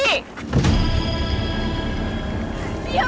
diam ma lihat